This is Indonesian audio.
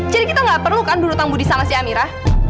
jadi kita nggak perlu kan duduk tanggudi sama si amira